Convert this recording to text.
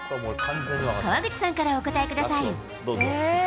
川口さんからお答えください。